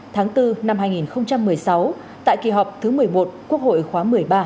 tháng bốn năm hai nghìn một mươi sáu tại kỳ họp thứ một mươi một quốc hội khóa một mươi ba